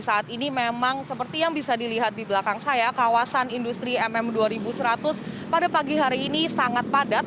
saat ini memang seperti yang bisa dilihat di belakang saya kawasan industri mm dua ribu seratus pada pagi hari ini sangat padat